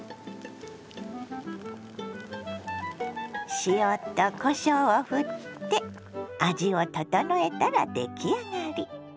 塩とこしょうをふって味を調えたら出来上がり。